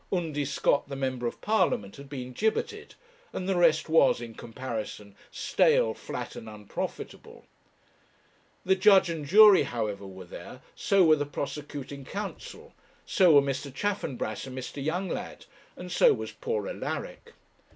Undy Scott, the member of Parliament, had been gibbeted, and the rest was, in comparison, stale, flat, and unprofitable. The judge and jury, however, were there, so were the prosecuting counsel, so were Mr. Chaffanbrass and Mr. Younglad, and so was poor Alaric.